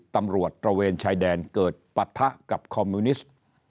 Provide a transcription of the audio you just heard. ตำรวจตระเวนชายแดนเกิดปรัฐะกับคอมมิวนิสต์